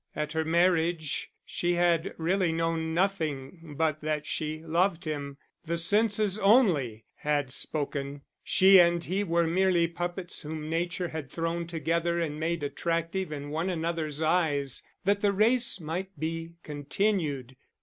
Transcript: At her marriage she had really known nothing but that she loved him; the senses only had spoken, she and he were merely puppets whom nature had thrown together and made attractive in one another's eyes, that the race might be continued.